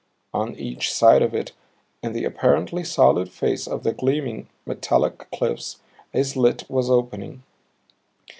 On each side of it, in the apparently solid face of the gleaming, metallic cliffs, a slit was opening.